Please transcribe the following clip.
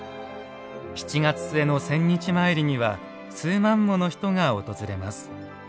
７月末の千日詣りには数万もの人が訪れます。